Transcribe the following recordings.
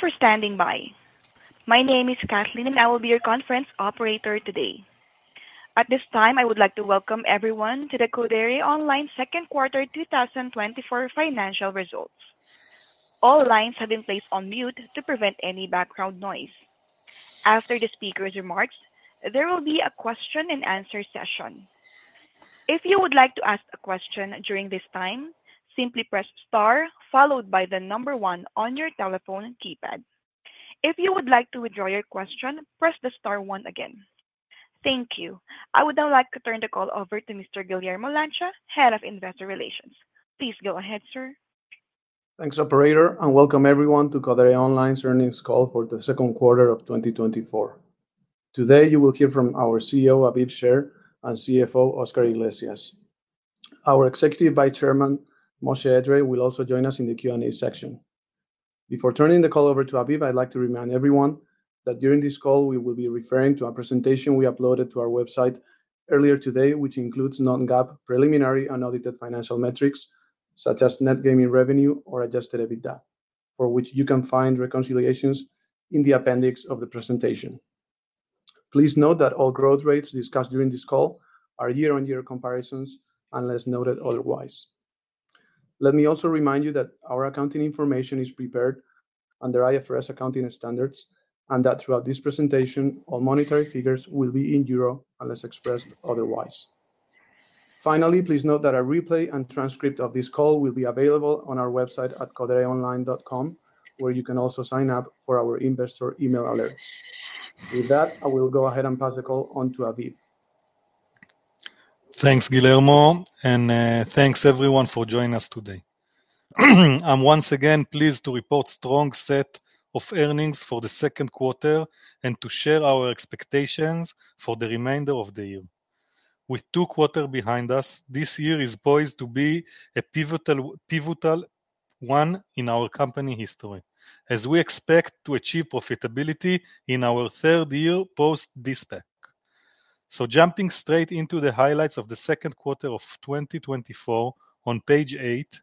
Thank you for standing by. My name is Kathleen, and I will be your conference operator today. At this time I would like to welcome everyone to the Codere Online Second Quarter 2024 financial results. All lines have been placed on mute to prevent any background noise. After the speaker's remarks, there will be a question-and-answer session. If you would like to ask a question during this time, simply press star followed by the number one on your telephone keypad. If you would like to withdraw your question, press the star one again. Thank you. I would now like to turn the call over to Mr. Guillermo Lancha, Head of Investor Relations. Please go ahead, sir. Thanks, Operator, and welcome everyone to Codere Online's earnings call for the second quarter of 2024. Today, you will hear from our CEO, Aviv Sher, and CFO, Oscar Iglesias. Our Executive Vice Chairman, Moshe Edree, will also join us in the Q&A section. Before turning the call over to Aviv, I'd like to remind everyone that during this call, we will be referring to a presentation we uploaded to our website earlier today, which includes non-GAAP preliminary and audited financial metrics such as Net Gaming Revenue or adjusted EBITDA, for which you can find reconciliations in the appendix of the presentation. Please note that all growth rates discussed during this call are year-over-year comparisons unless noted otherwise. Let me also remind you that our accounting information is prepared under IFRS accounting standards and that throughout this presentation, all monetary figures will be in euro unless expressed otherwise. Finally, please note that a replay and transcript of this call will be available on our website at codereonline.com, where you can also sign up for our investor email alerts. With that, I will go ahead and pass the call on to Aviv. Thanks, Guillermo, and thanks everyone for joining us today. I'm once again pleased to report a strong set of earnings for the second quarter and to share our expectations for the remainder of the year. With two quarters behind us, this year is poised to be a pivotal one in our company history, as we expect to achieve profitability in our third year post de-SPAC. So, jumping straight into the highlights of the second quarter of 2024, on page eight,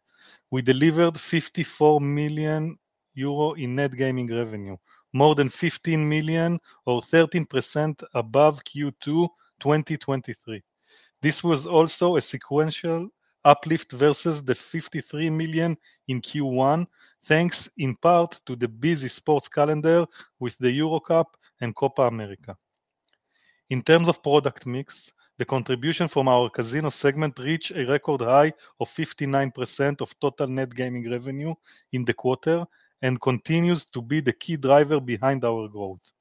we delivered 54 million euro in net gaming revenue, more than 15 million, or 13% above Q2 2023. This was also a sequential uplift versus the 53 million in Q1, thanks in part to the busy sports calendar with the EuroCup and Copa América. In terms of product mix, the contribution from our casino segment reached a record high of 59% of total net gaming revenue in the quarter and continues to be the key driver behind our growth,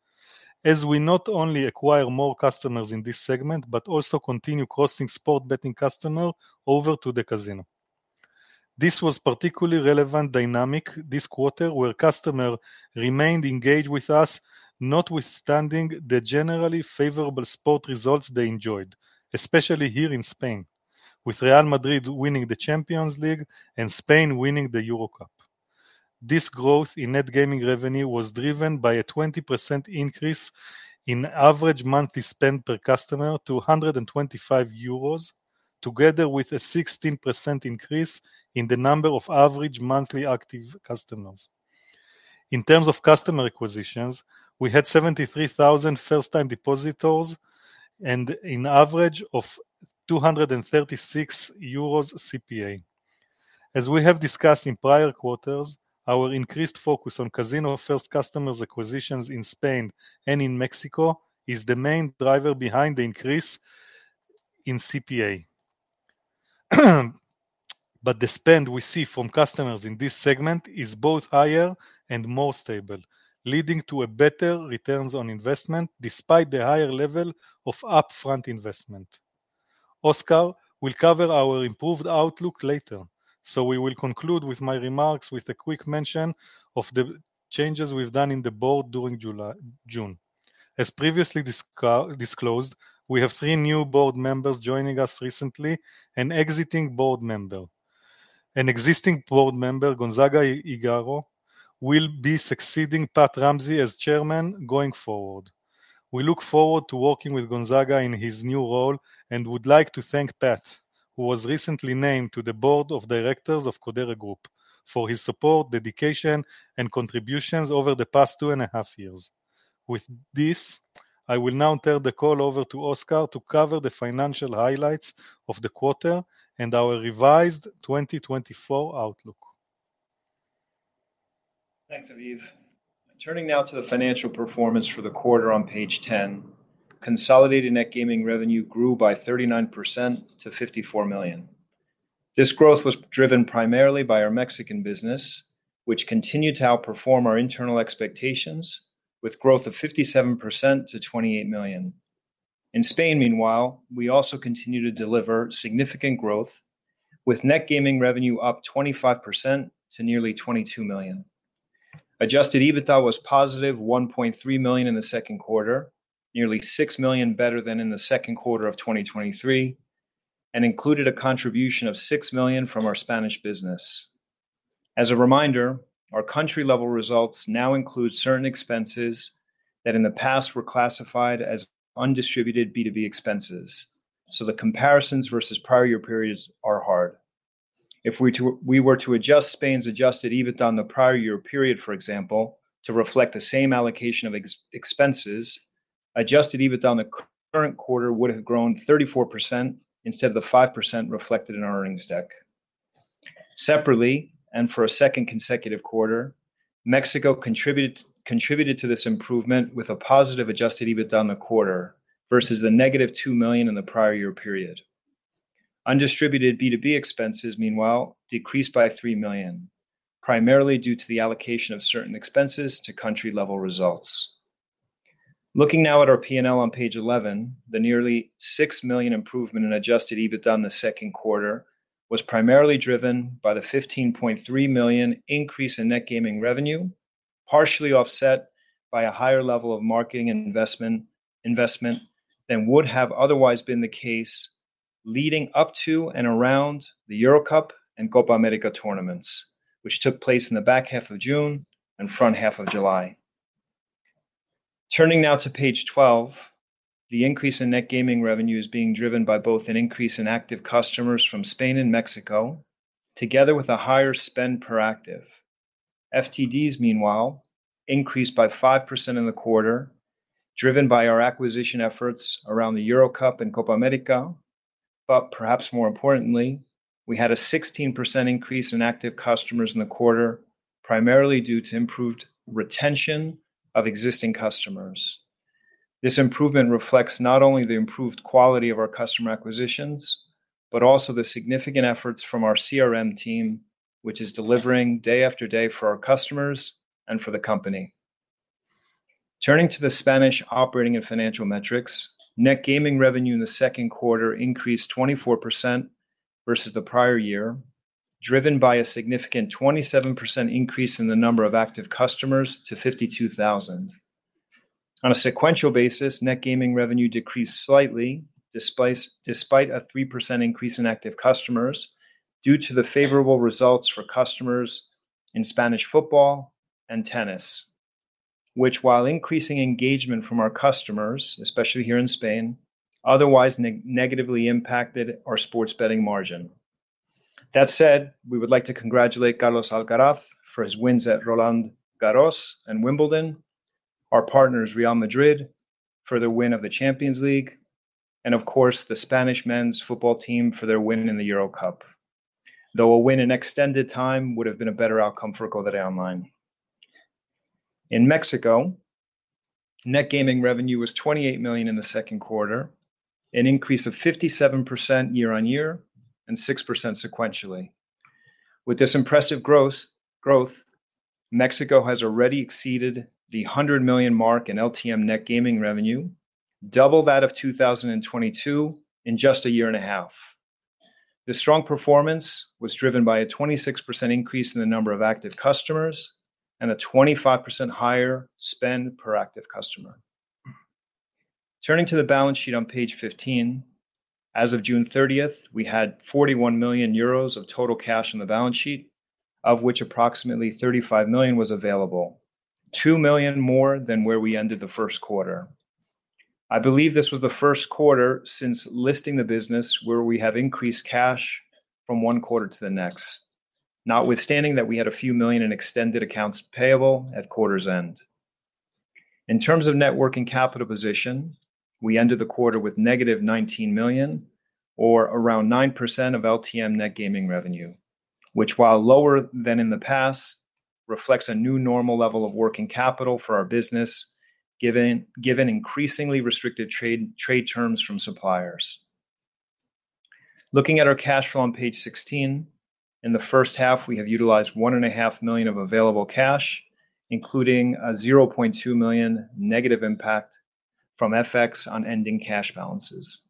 as we not only acquire more customers in this segment but also continue crossing sports betting customers over to the casino. This was a particularly relevant dynamic this quarter, where customers remained engaged with us, notwithstanding the generally favorable sports results they enjoyed, especially here in Spain, with Real Madrid winning the Champions League and Spain winning the EuroCup. This growth in net gaming revenue was driven by a 20% increase in average monthly spend per customer to 125 euros, together with a 16% increase in the number of average monthly active customers. In terms of customer acquisitions, we had 73,000 first-time depositors and an average of 236 euros CPA. As we have discussed in prior quarters, our increased focus on casino first customers' acquisitions in Spain and in Mexico is the main driver behind the increase in CPA. But the spend we see from customers in this segment is both higher and more stable, leading to better returns on investment despite the higher level of upfront investment. Oscar will cover our improved outlook later, so we will conclude with my remarks with a quick mention of the changes we've done in the board during June. As previously disclosed, we have three new board members joining us recently: an exiting board member, an existing board member, Gonzaga Higuero, will be succeeding Pat Ramsey as chairman going forward. We look forward to working with Gonzaga in his new role and would like to thank Pat, who was recently named to the board of directors of Codere Group, for his support, dedication, and contributions over the past two and a half years. With this, I will now turn the call over to Oscar to cover the financial highlights of the quarter and our revised 2024 outlook. Thanks, Aviv. Turning now to the financial performance for the quarter on page 10, consolidated net gaming revenue grew by 39% to 54 million. This growth was driven primarily by our Mexican business, which continued to outperform our internal expectations, with a growth of 57% to 28 million. In Spain, meanwhile, we also continue to deliver significant growth, with net gaming revenue up 25% to nearly 22 million. adjusted EBITDA was positive 1.3 million in the second quarter, nearly 6 million better than in the second quarter of 2023, and included a contribution of 6 million from our Spanish business. As a reminder, our country-level results now include certain expenses that in the past were classified as undistributed B2B expenses, so the comparisons versus prior year periods are hard. If we were to adjust Spain's adjusted EBITDA in the prior year period, for example, to reflect the same allocation of expenses, adjusted EBITDA in the current quarter would have grown 34% instead of the 5% reflected in our earnings deck. Separately, and for a second consecutive quarter, Mexico contributed to this improvement with a positive adjusted EBITDA in the quarter versus the negative 2 million in the prior year period. Undistributed B2B expenses, meanwhile, decreased by 3 million, primarily due to the allocation of certain expenses to country-level results. Looking now at our P&L on page 11, the nearly 6 million improvement in adjusted EBITDA in the second quarter was primarily driven by the 15.3 million increase in net gaming revenue, partially offset by a higher level of marketing and investment than would have otherwise been the case leading up to and around the EuroCup and Copa América tournaments, which took place in the back half of June and front half of July. Turning now to page 12, the increase in net gaming revenue is being driven by both an increase in active customers from Spain and Mexico, together with a higher spend per active. FTDs, meanwhile, increased by 5% in the quarter, driven by our acquisition efforts around the EuroCup and Copa América, but perhaps more importantly, we had a 16% increase in active customers in the quarter, primarily due to improved retention of existing customers. This improvement reflects not only the improved quality of our customer acquisitions but also the significant efforts from our CRM team, which is delivering day after day for our customers and for the company. Turning to the Spanish operating and financial metrics, net gaming revenue in the second quarter increased 24% versus the prior year, driven by a significant 27% increase in the number of active customers to 52,000. On a sequential basis, net gaming revenue decreased slightly despite a 3% increase in active customers due to the favorable results for customers in Spanish football and tennis, which, while increasing engagement from our customers, especially here in Spain, otherwise negatively impacted our sports betting margin. That said, we would like to congratulate Carlos Alcaraz for his wins at Roland-Garros and Wimbledon, our partners Real Madrid for their win of the Champions League, and of course, the Spanish men's football team for their win in the EuroCup, though a win in extended time would have been a better outcome for Codere Online. In Mexico, net gaming revenue was 28 million in the second quarter, an increase of 57% year-on-year and 6% sequentially. With this impressive growth, Mexico has already exceeded the 100 million mark in LTM net gaming revenue, double that of 2022 in just a year and a half. This strong performance was driven by a 26% increase in the number of active customers and a 25% higher spend per active customer. Turning to the balance sheet on page 15, as of June 30th, we had 41 million euros of total cash on the balance sheet, of which approximately 35 million was available, 2 million more than where we ended the first quarter. I believe this was the first quarter since listing the business where we have increased cash from one quarter to the next, notwithstanding that we had a few million in extended accounts payable at quarter's end. In terms of net working capital position, we ended the quarter with negative 19 million, or around 9% of LTM net gaming revenue, which, while lower than in the past, reflects a new normal level of working capital for our business, given increasingly restricted trade terms from suppliers. Looking at our cash flow on page 16, in the first half, we have utilized 1.5 million of available cash, including a 0.2 million negative impact from FX on ending cash balances.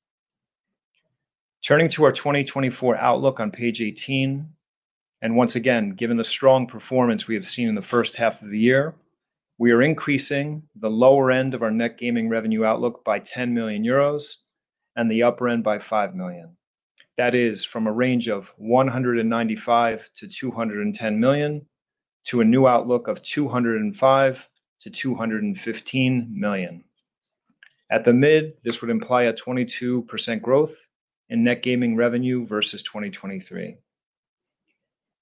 Turning to our 2024 outlook on page 18, and once again, given the strong performance we have seen in the first half of the year, we are increasing the lower end of our net gaming revenue outlook by 10 million euros and the upper end by 5 million. That is, from a range of 195 million-210 million to a new outlook of 205 million-215 million. At the mid, this would imply a 22% growth in net gaming revenue versus 2023.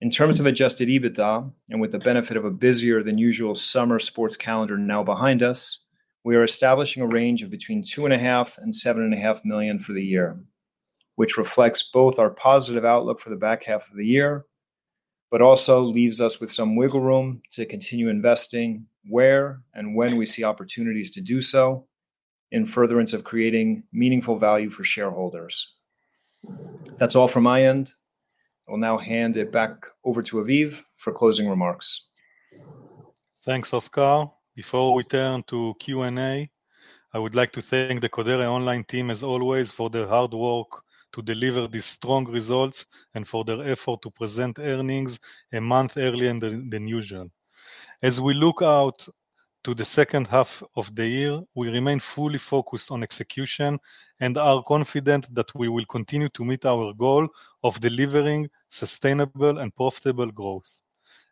In terms of adjusted EBITDA, and with the benefit of a busier-than-usual summer sports calendar now behind us, we are establishing a range of between 2.5 million and 7.5 million for the year, which reflects both our positive outlook for the back half of the year but also leaves us with some wiggle room to continue investing where and when we see opportunities to do so in furtherance of creating meaningful value for shareholders. That's all from my end. I will now hand it back over to Aviv for closing remarks. Thanks, Oscar. Before we turn to Q&A, I would like to thank the Codere Online team, as always, for their hard work to deliver these strong results and for their effort to present earnings a month earlier than usual. As we look out to the second half of the year, we remain fully focused on execution and are confident that we will continue to meet our goal of delivering sustainable and profitable growth.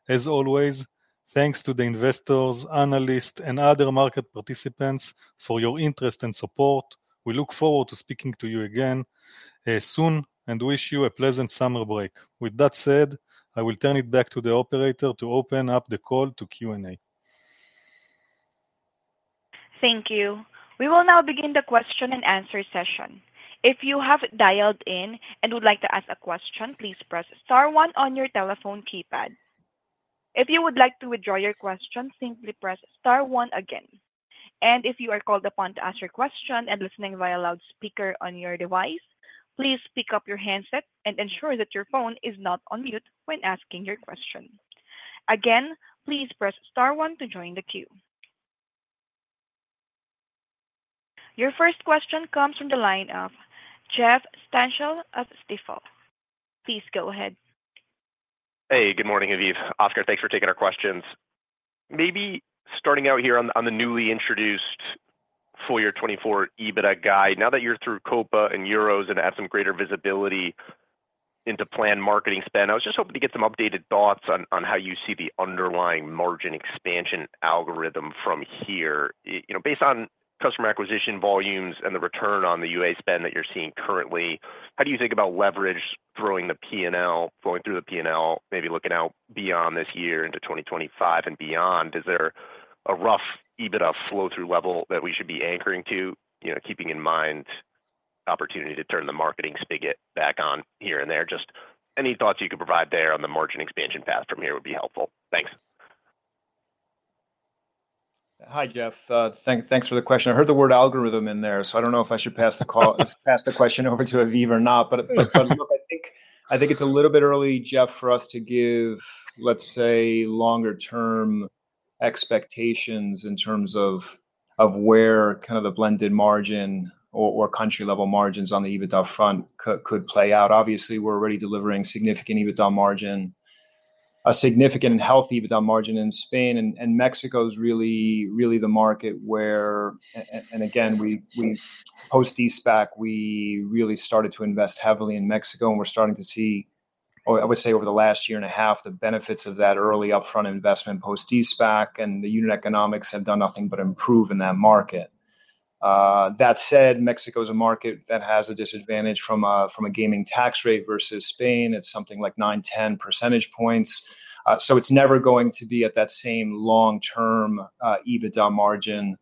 As always, thanks to the investors, analysts, and other market participants for your interest and support. We look forward to speaking to you again soon and wish you a pleasant summer break. With that said, I will turn it back to the operator to open up the call to Q&A. Thank you. We will now begin the question-and-answer session. If you have dialed in and would like to ask a question, please press star one on your telephone keypad. If you would like to withdraw your question, simply press star one again. If you are called upon to ask your question and listening via loudspeaker on your device, please pick up your handset and ensure that your phone is not on mute when asking your question. Again, please press star one to join the queue. Your first question comes from the line of Jeff Stantial of Stifel. Please go ahead. Hey, good morning, Aviv. Oscar, thanks for taking our questions. Maybe starting out here on the newly introduced FY2024 EBITDA guide, now that you're through Copa and Euros and have some greater visibility into planned marketing spend, I was just hoping to get some updated thoughts on how you see the underlying margin expansion algorithm from here. Based on customer acquisition volumes and the return on the UA spend that you're seeing currently, how do you think about leverage through the P&L, going through the P&L, maybe looking out beyond this year into 2025 and beyond? Is there a rough EBITDA flow-through level that we should be anchoring to, keeping in mind the opportunity to turn the marketing spigot back on here and there? Just any thoughts you could provide there on the margin expansion path from here would be helpful. Thanks. Hi, Jeff. Thanks for the question. I heard the word algorithm in there, so I don't know if I should pass the question over to Aviv or not, but I think it's a little bit early, Jeff, for us to give, let's say, longer-term expectations in terms of where kind of the blended margin or country-level margins on the EBITDA front could play out. Obviously, we're already delivering significant EBITDA margin, a significant and healthy EBITDA margin in Spain, and Mexico is really the market where, and again, post de-SPAC, we really started to invest heavily in Mexico, and we're starting to see, I would say, over the last year and a half, the benefits of that early upfront investment post de-SPAC, and the unit economics have done nothing but improve in that market. That said, Mexico is a market that has a disadvantage from a gaming tax rate versus Spain. It's something like 9-10 percentage points. So it's never going to be at that same long-term EBITDA margin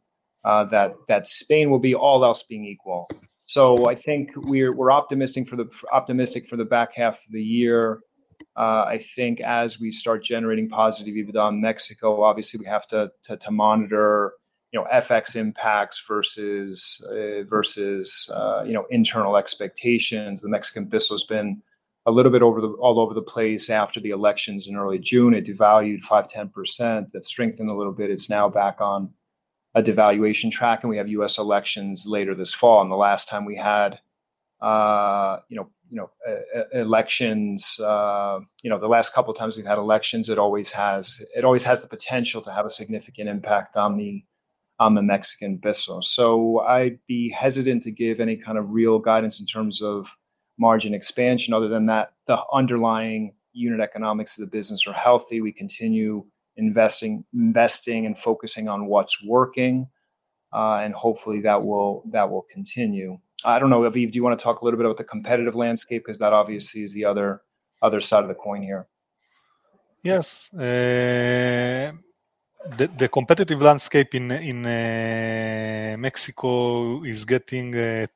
that Spain will be all else being equal. So I think we're optimistic for the back half of the year. I think as we start generating positive EBITDA in Mexico, obviously, we have to monitor FX impacts versus internal expectations. The Mexican peso has been a little bit all over the place after the elections in early June. It devalued 5%-10%. It strengthened a little bit. It's now back on a devaluation track, and we have U.S. elections later this fall. And the last time we had elections, the last couple of times we've had elections, it always has the potential to have a significant impact on the Mexican peso. So I'd be hesitant to give any kind of real guidance in terms of margin expansion. Other than that, the underlying unit economics of the business are healthy. We continue investing and focusing on what's working, and hopefully, that will continue. I don't know, Aviv, do you want to talk a little bit about the competitive landscape? Because that obviously is the other side of the coin here. Yes. The competitive landscape in Mexico is getting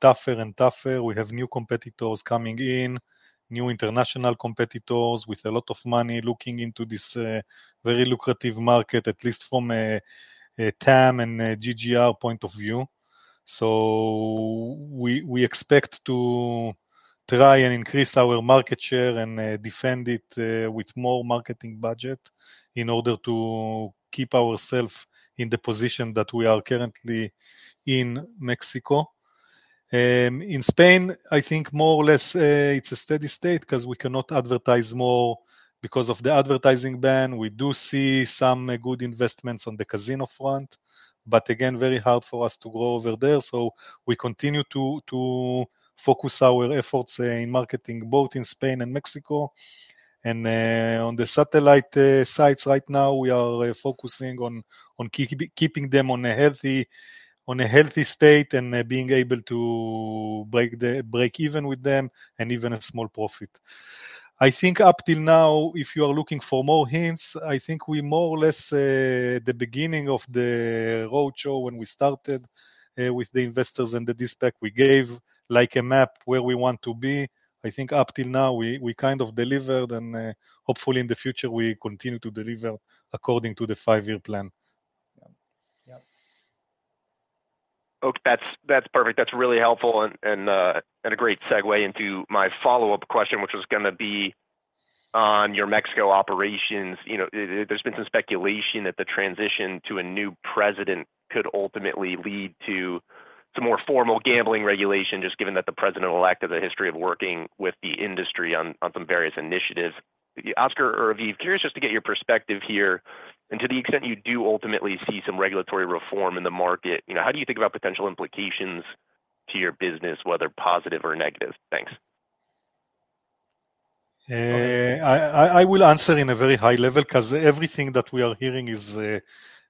tougher and tougher. We have new competitors coming in, new international competitors with a lot of money looking into this very lucrative market, at least from a TAM and GGR point of view. So we expect to try and increase our market share and defend it with more marketing budget in order to keep ourselves in the position that we are currently in Mexico. In Spain, I think more or less it's a steady state because we cannot advertise more because of the advertising ban. We do see some good investments on the casino front, but again, very hard for us to grow over there. So we continue to focus our efforts in marketing both in Spain and Mexico. On the satellite sites right now, we are focusing on keeping them in a healthy state and being able to break even with them and even a small profit. I think up till now, if you are looking for more hints, I think we more or less at the beginning of the roadshow when we started with the investors and the pitch we gave like a map where we want to be. I think up till now, we kind of delivered, and hopefully, in the future, we continue to deliver according to the five-year plan. Oh, that's perfect. That's really helpful and a great segue into my follow-up question, which was going to be on your Mexico operations. There's been some speculation that the transition to a new president could ultimately lead to some more formal gambling regulation, just given that the president-elect has a history of working with the industry on some various initiatives. Oscar or Aviv, curious just to get your perspective here and to the extent you do ultimately see some regulatory reform in the market. How do you think about potential implications to your business, whether positive or negative? Thanks. I will answer in a very high level because everything that we are hearing is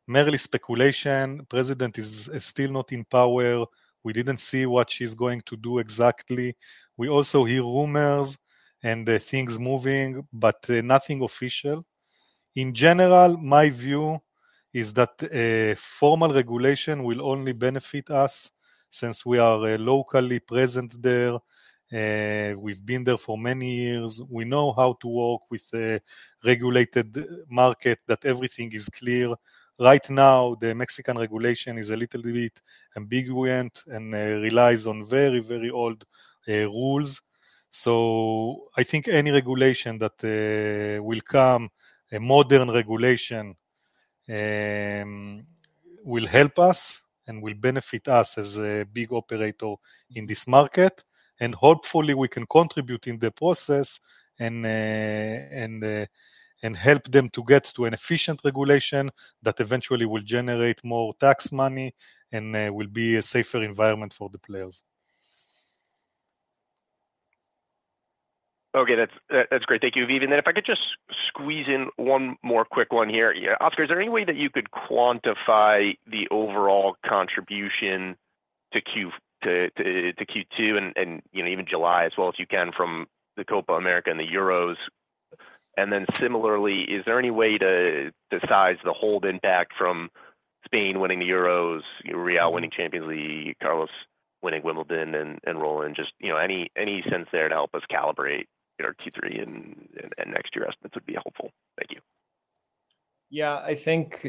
merely speculation. The president is still not in power. We didn't see what she's going to do exactly. We also hear rumors and things moving, but nothing official. In general, my view is that formal regulation will only benefit us since we are locally present there. We've been there for many years. We know how to work with a regulated market, that everything is clear. Right now, the Mexican regulation is a little bit ambiguous and relies on very, very old rules. So I think any regulation that will come, a modern regulation, will help us and will benefit us as a big operator in this market. Hopefully, we can contribute in the process and help them to get to an efficient regulation that eventually will generate more tax money and will be a safer environment for the players. Okay, that's great. Thank you, Aviv. And then if I could just squeeze in one more quick one here. Oscar, is there any way that you could quantify the overall contribution to Q2 and even July as well as you can from the Copa América and the Euros? And then similarly, is there any way to size the hold impact from Spain winning the Euros, Real winning Champions League, Carlos winning Wimbledon, and Roland? Just any sense there to help us calibrate Q3 and next year estimates would be helpful. Thank you. Yeah, I think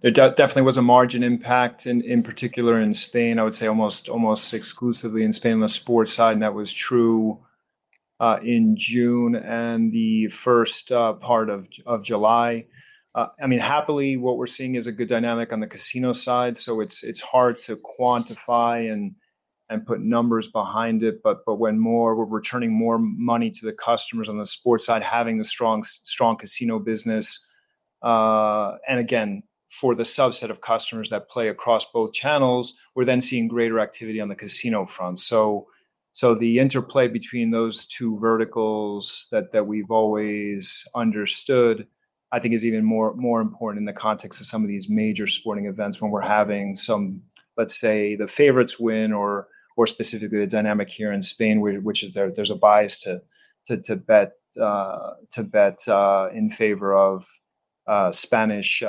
there definitely was a margin impact, in particular in Spain. I would say almost exclusively in Spain on the sports side, and that was true in June and the first part of July. I mean, happily, what we're seeing is a good dynamic on the casino side. So it's hard to quantify and put numbers behind it, but when we're returning more money to the customers on the sports side, having a strong casino business, and again, for the subset of customers that play across both channels, we're then seeing greater activity on the casino front. So the interplay between those two verticals that we've always understood, I think, is even more important in the context of some of these major sporting events when we're having some, let's say, the favorites win or specifically the dynamic here in Spain, which is there's a bias to bet in favor of Spanish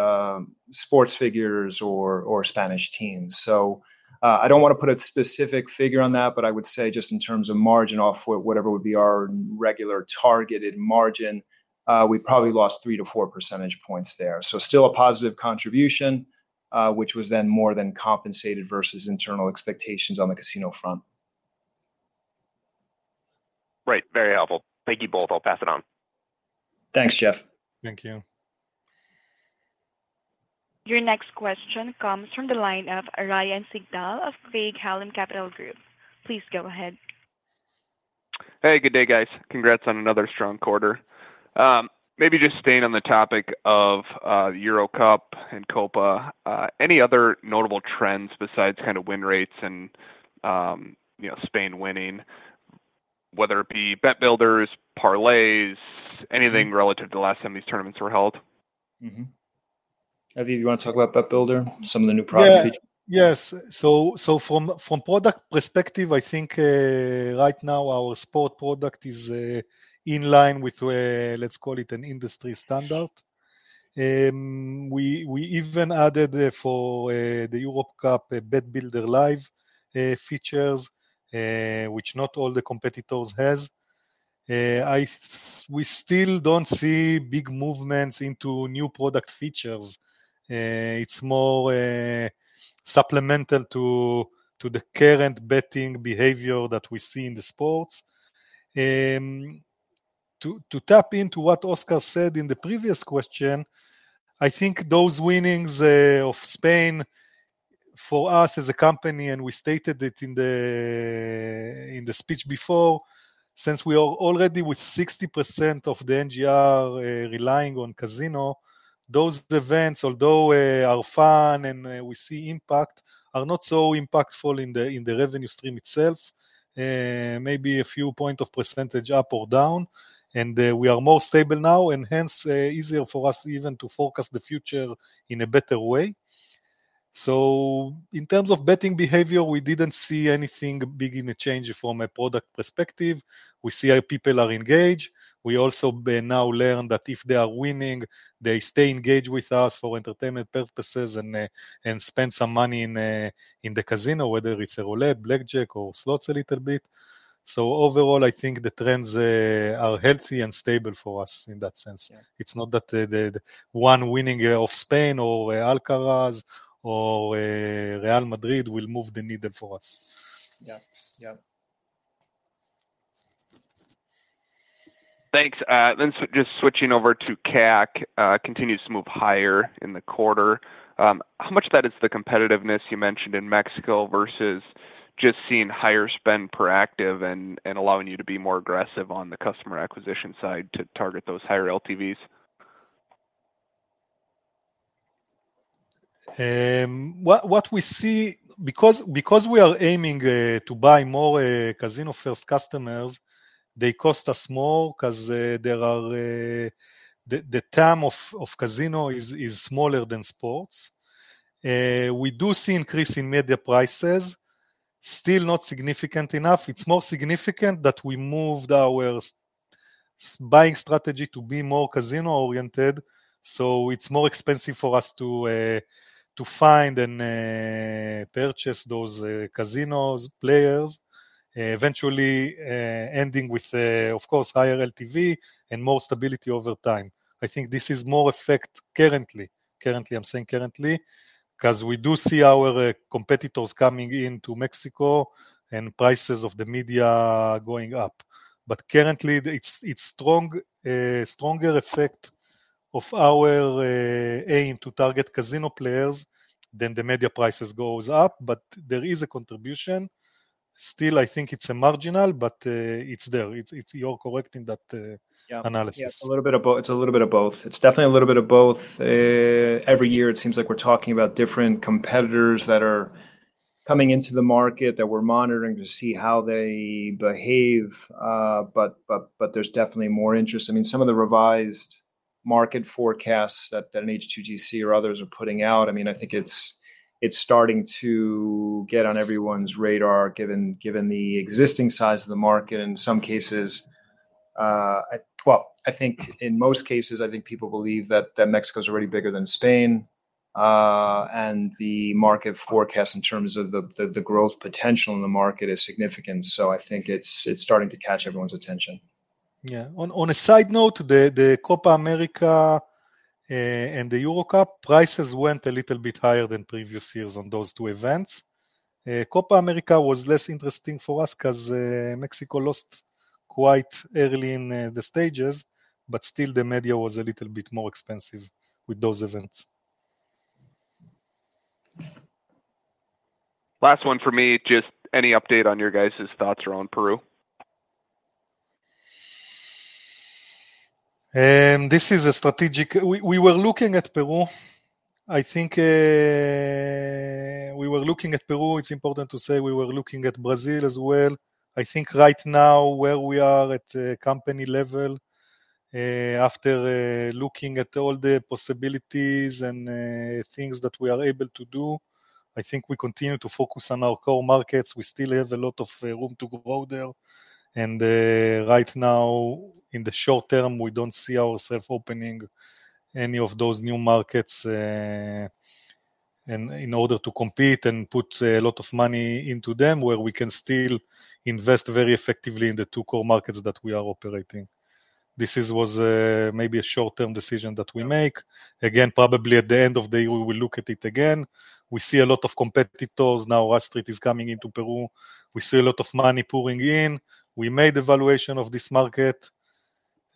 sports figures or Spanish teams. So I don't want to put a specific figure on that, but I would say just in terms of margin off whatever would be our regular targeted margin, we probably lost 3-4 percentage points there. So still a positive contribution, which was then more than compensated versus internal expectations on the casino front. Right. Very helpful. Thank you both. I'll pass it on. Thanks, Jeff. Thank you. Your next question comes from the line of Ryan Sigdahl of Craig-Hallum Capital Group. Please go ahead. Hey, good day, guys. Congrats on another strong quarter. Maybe just staying on the topic of EuroCup and Copa, any other notable trends besides kind of win rates and Spain winning, whether it be BetBuilders, parlays, anything relative to the last time these tournaments were held? Aviv, you want to talk about BetBuilder, some of the new products? Yeah, yes. So from a product perspective, I think right now our sports product is in line with, let's call it, an industry standard. We even added for the EuroCup BetBuilder Live features, which not all the competitors have. We still don't see big movements into new product features. It's more supplemental to the current betting behavior that we see in the sports. To tap into what Oscar said in the previous question, I think those winnings of Spain for us as a company, and we stated it in the speech before, since we are already with 60% of the NGR relying on casino, those events, although are fun and we see impact, are not so impactful in the revenue stream itself, maybe a few points of percentage up or down. And we are more stable now, and hence easier for us even to forecast the future in a better way. So in terms of betting behavior, we didn't see anything big in a change from a product perspective. We see our people are engaged. We also now learned that if they are winning, they stay engaged with us for entertainment purposes and spend some money in the casino, whether it's a roulette, blackjack, or slots a little bit. So overall, I think the trends are healthy and stable for us in that sense. It's not that the one winning of Spain or Alcaraz or Real Madrid will move the needle for us. Yeah, yeah. Thanks. Then just switching over to CAC, continues to move higher in the quarter. How much of that is the competitiveness you mentioned in Mexico versus just seeing higher spend per active and allowing you to be more aggressive on the customer acquisition side to target those higher LTVs? What we see, because we are aiming to buy more casino-first customers, they cost us more because the TAM of casino is smaller than sports. We do see an increase in media prices, still not significant enough. It's more significant that we moved our buying strategy to be more casino-oriented. So it's more expensive for us to find and purchase those casino players, eventually ending with, of course, higher LTV and more stability over time. I think this is more effect currently. Currently, I'm saying currently because we do see our competitors coming into Mexico and prices of the media going up. But currently, it's stronger effect of our aim to target casino players than the media prices go up, but there is a contribution. Still, I think it's a marginal, but it's there. You're correct in that analysis. Yeah, it's a little bit of both. It's definitely a little bit of both. Every year, it seems like we're talking about different competitors that are coming into the market that we're monitoring to see how they behave. But there's definitely more interest. I mean, some of the revised market forecasts that an H2GC or others are putting out, I mean, I think it's starting to get on everyone's radar given the existing size of the market. In some cases, well, I think in most cases, I think people believe that Mexico is already bigger than Spain. And the market forecast in terms of the growth potential in the market is significant. So I think it's starting to catch everyone's attention. Yeah. On a side note, the Copa América and the EuroCup prices went a little bit higher than previous years on those two events. Copa América was less interesting for us because Mexico lost quite early in the stages, but still the media was a little bit more expensive with those events. Last one for me, just any update on your guys' thoughts around Peru? This is a strategic we were looking at Peru. I think we were looking at Peru. It's important to say we were looking at Brazil as well. I think right now where we are at company level, after looking at all the possibilities and things that we are able to do, I think we continue to focus on our core markets. We still have a lot of room to grow there. And right now, in the short term, we don't see ourselves opening any of those new markets in order to compete and put a lot of money into them where we can still invest very effectively in the two core markets that we are operating. This was maybe a short-term decision that we make. Again, probably at the end of the year, we will look at it again. We see a lot of competitors. Rush Street Interactive is coming into Peru. We see a lot of money pouring in. We made evaluation of this market.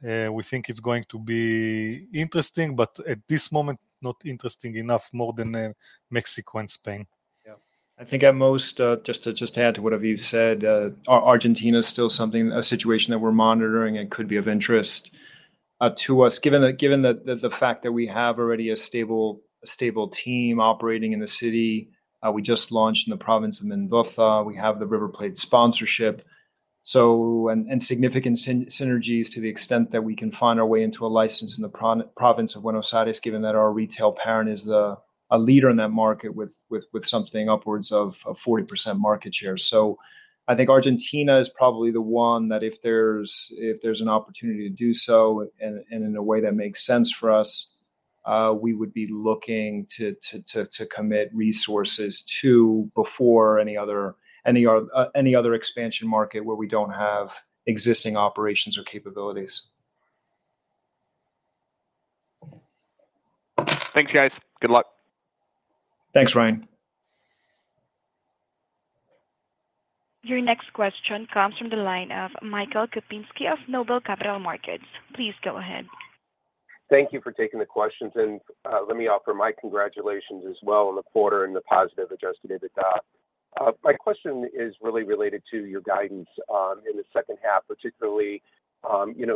We think it's going to be interesting, but at this moment, not interesting enough more than Mexico and Spain. Yeah. I think at most, just to add to what Aviv said, Argentina is still something, a situation that we're monitoring and could be of interest to us, given the fact that we have already a stable team operating in the city. We just launched in the province of Mendoza. We have the River Plate sponsorship and significant synergies to the extent that we can find our way into a license in the province of Buenos Aires, given that our retail parent is a leader in that market with something upwards of 40% market share. So I think Argentina is probably the one that if there's an opportunity to do so and in a way that makes sense for us, we would be looking to commit resources to before any other expansion market where we don't have existing operations or capabilities. Thanks, guys. Good luck. Thanks, Ryan. Your next question comes from the line of Michael Kupinski of Noble Capital Markets. Please go ahead. Thank you for taking the questions. And let me offer my congratulations as well on the quarter and the positive adjusted EBITDA. My question is really related to your guidance in the second half, particularly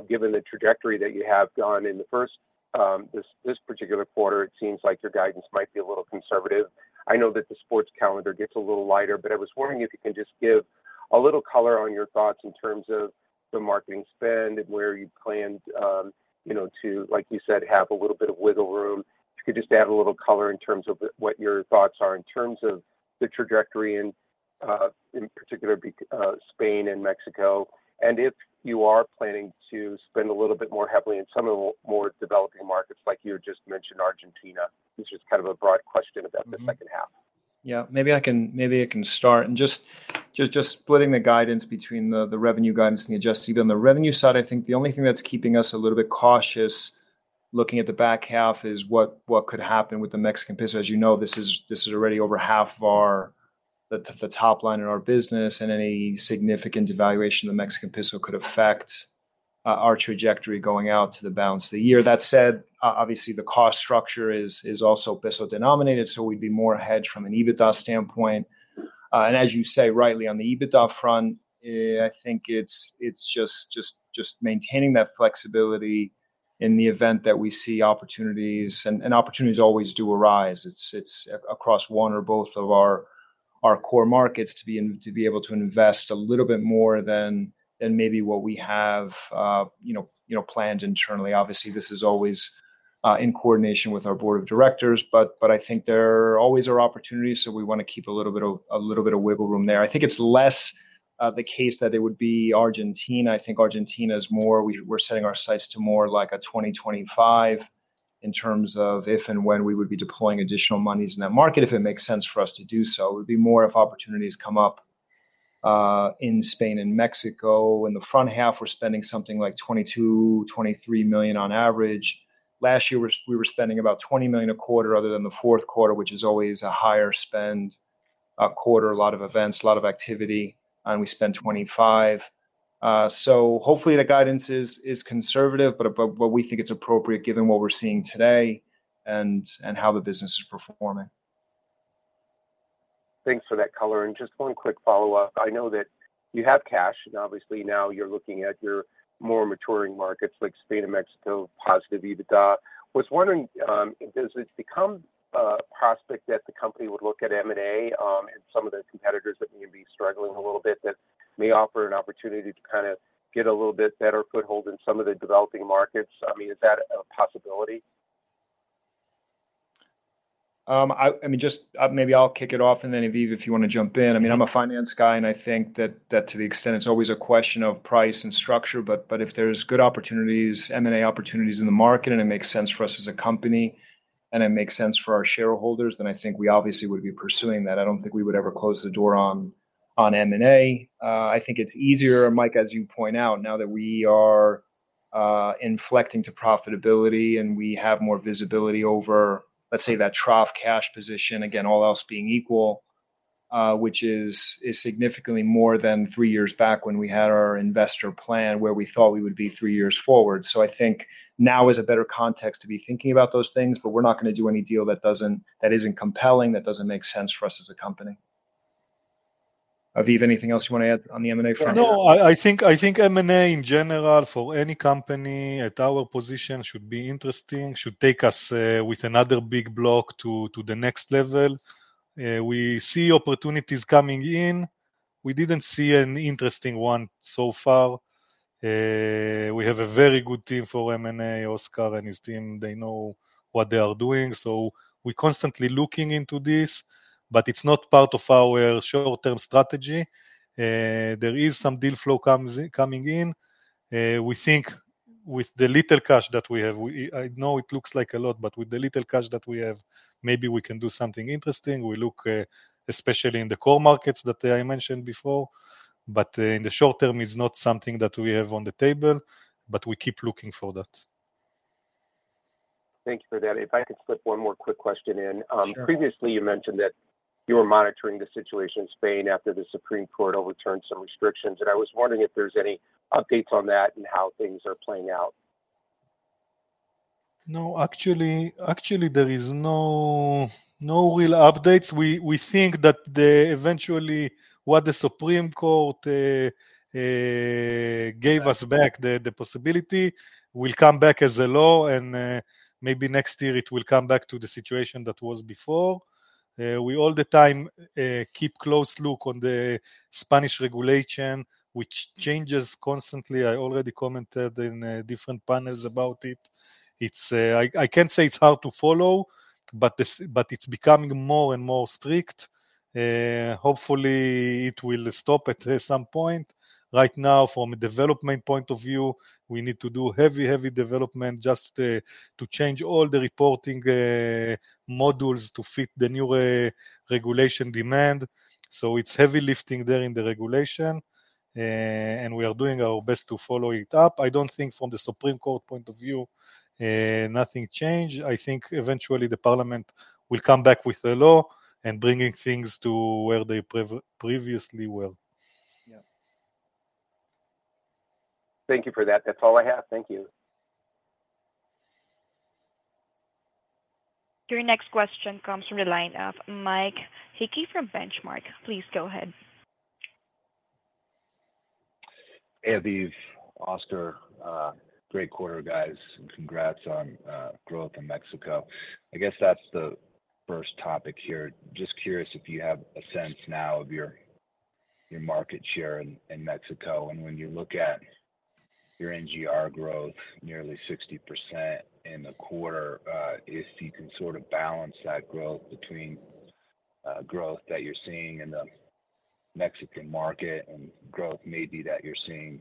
given the trajectory that you have gone in this particular quarter. It seems like your guidance might be a little conservative. I know that the sports calendar gets a little lighter, but I was wondering if you can just give a little color on your thoughts in terms of the marketing spend and where you planned to, like you said, have a little bit of wiggle room. If you could just add a little color in terms of what your thoughts are in terms of the trajectory in particular, Spain and Mexico. And if you are planning to spend a little bit more heavily in some of the more developing markets, like you just mentioned, Argentina, which is kind of a broad question about the second half. Yeah, maybe I can start. Just splitting the guidance between the revenue guidance and the adjusted EBITDA. On the revenue side, I think the only thing that's keeping us a little bit cautious looking at the back half is what could happen with the Mexican peso. As you know, this is already over half of the top line in our business, and any significant devaluation of the Mexican peso could affect our trajectory going out to the balance of the year. That said, obviously, the cost structure is also peso denominated, so we'd be more ahead from an EBITDA standpoint. As you say rightly on the EBITDA front, I think it's just maintaining that flexibility in the event that we see opportunities, and opportunities always do arise. It's across one or both of our core markets to be able to invest a little bit more than maybe what we have planned internally. Obviously, this is always in coordination with our board of directors, but I think there always are opportunities, so we want to keep a little bit of wiggle room there. I think it's less the case that it would be Argentina. I think Argentina is more we're setting our sights to more like a 2025 in terms of if and when we would be deploying additional moneys in that market, if it makes sense for us to do so. It would be more if opportunities come up in Spain and Mexico. In the front half, we're spending something like 22 million-23 million on average. Last year, we were spending about 20 million a quarter other than the fourth quarter, which is always a higher spend quarter, a lot of events, a lot of activity, and we spent 25 million. So hopefully, the guidance is conservative, but we think it's appropriate given what we're seeing today and how the business is performing. Thanks for that color. Just one quick follow-up. I know that you have cash, and obviously, now you're looking at your more maturing markets like Spain and Mexico, positive EBITDA. I was wondering, does it become a prospect that the company would look at M&A and some of the competitors that may be struggling a little bit that may offer an opportunity to kind of get a little bit better foothold in some of the developing markets? I mean, is that a possibility? I mean, just maybe I'll kick it off, and then Aviv, if you want to jump in. I mean, I'm a finance guy, and I think that to the extent it's always a question of price and structure, but if there's good opportunities, M&A opportunities in the market, and it makes sense for us as a company, and it makes sense for our shareholders, then I think we obviously would be pursuing that. I don't think we would ever close the door on M&A. I think it's easier, Mike, as you point out, now that we are inflecting to profitability and we have more visibility over, let's say, that trough cash position, again, all else being equal, which is significantly more than three years back when we had our investor plan where we thought we would be three years forward. I think now is a better context to be thinking about those things, but we're not going to do any deal that isn't compelling, that doesn't make sense for us as a company. Aviv, anything else you want to add on the M&A front? No, I think M&A in general for any company at our position should be interesting, should take us with another big block to the next level. We see opportunities coming in. We didn't see an interesting one so far. We have a very good team for M&A, Oscar and his team. They know what they are doing. So we're constantly looking into this, but it's not part of our short-term strategy. There is some deal flow coming in. We think with the little cash that we have, I know it looks like a lot, but with the little cash that we have, maybe we can do something interesting. We look, especially in the core markets that I mentioned before, but in the short term, it's not something that we have on the table, but we keep looking for that. Thank you for that. If I could slip one more quick question in. Previously, you mentioned that you were monitoring the situation in Spain after the Supreme Court overturned some restrictions. I was wondering if there's any updates on that and how things are playing out. No, actually, there are no real updates. We think that eventually what the Supreme Court gave us back, the possibility, will come back as a law, and maybe next year it will come back to the situation that was before. We all the time keep a close look on the Spanish regulation, which changes constantly. I already commented in different panels about it. I can't say it's hard to follow, but it's becoming more and more strict. Hopefully, it will stop at some point. Right now, from a development point of view, we need to do heavy, heavy development just to change all the reporting modules to fit the new regulation demand. So it's heavy lifting there in the regulation, and we are doing our best to follow it up. I don't think from the Supreme Court point of view, nothing changed. I think eventually the Parliament will come back with a law and bring things to where they previously were. Yeah. Thank you for that. That's all I have. Thank you. Your next question comes from the line of Mike Hickey from Benchmark. Please go ahead. Hey, Aviv, Oscar, great quarter, guys, and congrats on growth in Mexico. I guess that's the first topic here. Just curious if you have a sense now of your market share in Mexico. And when you look at your NGR growth, nearly 60% in the quarter, if you can sort of balance that growth between growth that you're seeing in the Mexican market and growth maybe that you're seeing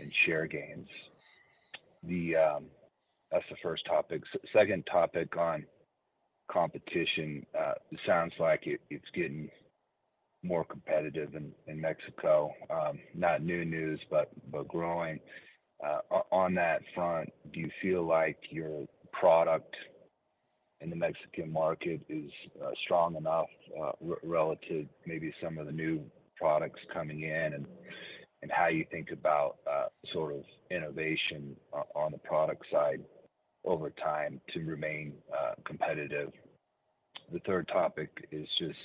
in share gains, that's the first topic. Second topic on competition, it sounds like it's getting more competitive in Mexico. Not new news, but growing. On that front, do you feel like your product in the Mexican market is strong enough relative to maybe some of the new products coming in and how you think about sort of innovation on the product side over time to remain competitive? The third topic is just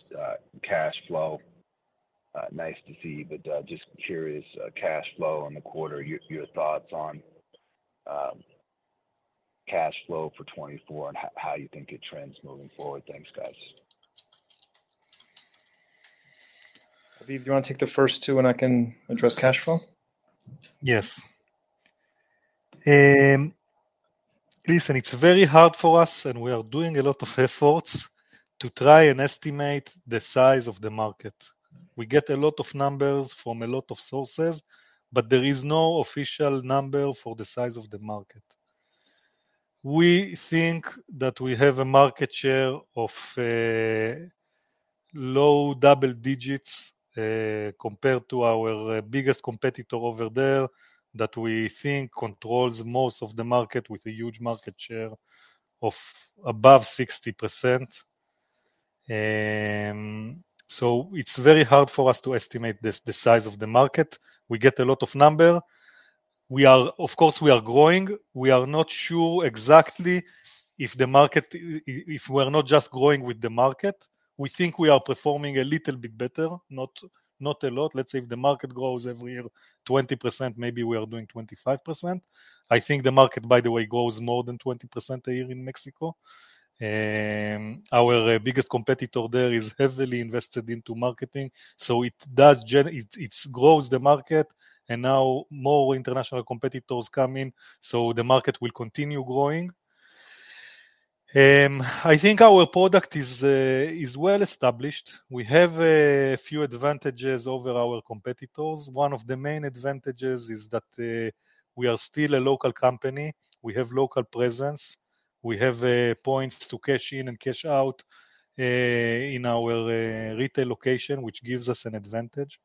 cash flow. Nice to see, but just curious, cash flow in the quarter, your thoughts on cash flow for 2024 and how you think it trends moving forward. Thanks, guys. Aviv, do you want to take the first two and I can address cash flow? Yes. Listen, it's very hard for us, and we are doing a lot of efforts to try and estimate the size of the market. We get a lot of numbers from a lot of sources, but there is no official number for the size of the market. We think that we have a market share of low double digits compared to our biggest competitor over there that we think controls most of the market with a huge market share of above 60%. So it's very hard for us to estimate the size of the market. We get a lot of numbers. Of course, we are growing. We are not sure exactly if we are not just growing with the market. We think we are performing a little bit better, not a lot. Let's say if the market grows every year 20%, maybe we are doing 25%. I think the market, by the way, grows more than 20% a year in Mexico. Our biggest competitor there is heavily invested into marketing. So it grows the market, and now more international competitors come in, so the market will continue growing. I think our product is well established. We have a few advantages over our competitors. One of the main advantages is that we are still a local company. We have local presence. We have points to cash in and cash out in our retail location, which gives us an advantage.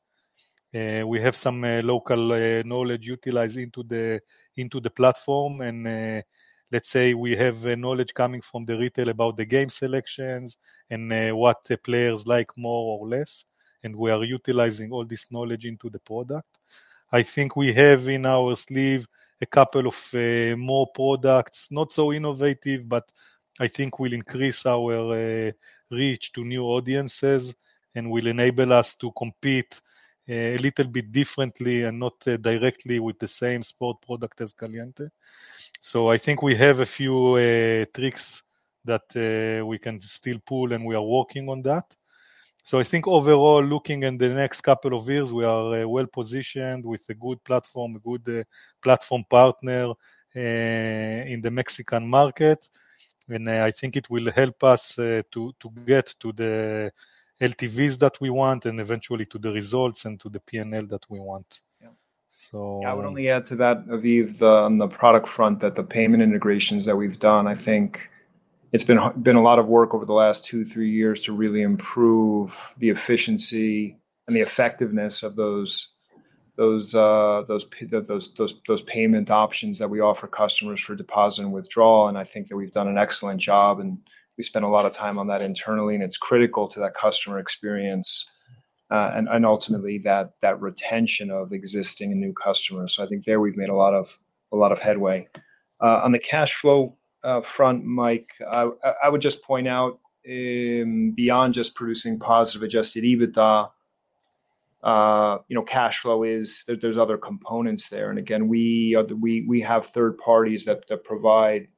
We have some local knowledge utilized into the platform. And let's say we have knowledge coming from the retail about the game selections and what players like more or less, and we are utilizing all this knowledge into the product. I think we have in our sleeve a couple of more products, not so innovative, but I think will increase our reach to new audiences and will enable us to compete a little bit differently and not directly with the same sport product as Caliente. So I think we have a few tricks that we can still pull, and we are working on that. So I think overall, looking at the next couple of years, we are well positioned with a good platform, a good platform partner in the Mexican market. And I think it will help us to get to the LTVs that we want and eventually to the results and to the P&L that we want. Yeah. I would only add to that, Aviv, on the product front, that the payment integrations that we've done, I think it's been a lot of work over the last 2-3 years to really improve the efficiency and the effectiveness of those payment options that we offer customers for deposit and withdrawal. And I think that we've done an excellent job, and we spent a lot of time on that internally, and it's critical to that customer experience and ultimately that retention of existing and new customers. So I think there we've made a lot of headway. On the cash flow front, Mike, I would just point out beyond just producing positive adjusted EBITDA, cash flow, there's other components there. And again, we have third parties that provide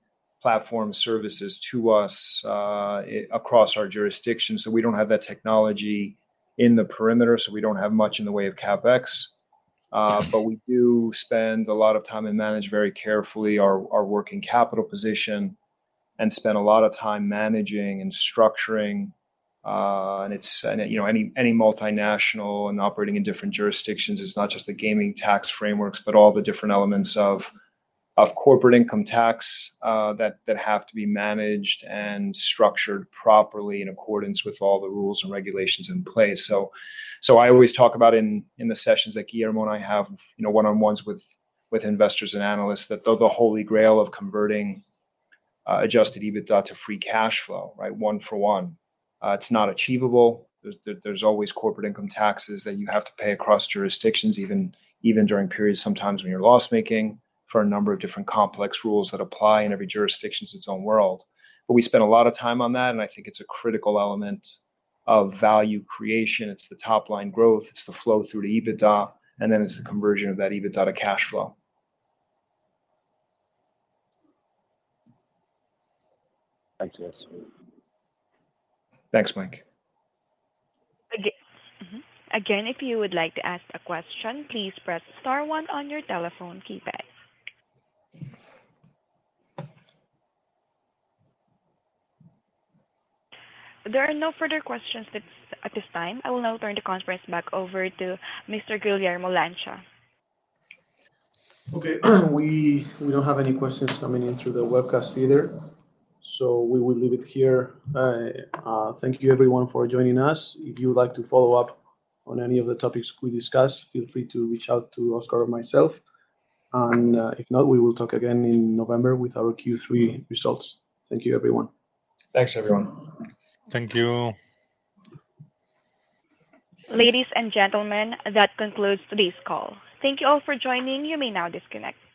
platform services to us across our jurisdiction. So we don't have that technology in the platform, so we don't have much in the way of CapEx. But we do spend a lot of time and manage very carefully our working capital position and spend a lot of time managing and structuring. And any multinational operating in different jurisdictions, it's not just the gaming tax frameworks, but all the different elements of corporate income tax that have to be managed and structured properly in accordance with all the rules and regulations in place. So I always talk about in the sessions that Guillermo and I have one-on-ones with investors and analysts that the Holy Grail of converting adjusted EBITDA to free cash flow, right, one for one, it's not achievable. There's always corporate income taxes that you have to pay across jurisdictions, even during periods sometimes when you're loss-making for a number of different complex rules that apply in every jurisdiction, it's its own world. But we spend a lot of time on that, and I think it's a critical element of value creation. It's the top-line growth. It's the flow through the EBITDA, and then it's the conversion of that EBITDA to cash flow. Thanks, guys. Thanks, Mike. Again, if you would like to ask a question, please press star one on your telephone keypad. There are no further questions at this time. I will now turn the conference back over to Mr. Guillermo Lancha. Okay. We don't have any questions coming in through the webcast either, so we will leave it here. Thank you, everyone, for joining us. If you'd like to follow up on any of the topics we discussed, feel free to reach out to Oscar or myself. And if not, we will talk again in November with our Q3 results. Thank you, everyone. Thanks, everyone. Thank you. Ladies and gentlemen, that concludes today's call. Thank you all for joining. You may now disconnect.